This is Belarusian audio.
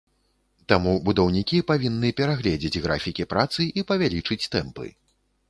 Таму будаўнікі павінны перагледзець графікі працы і павялічыць тэмпы.